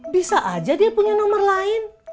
bisa aja dia punya nomor lain